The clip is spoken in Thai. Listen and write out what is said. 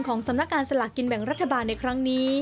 สำนักงานสลากกินแบ่งรัฐบาลในครั้งนี้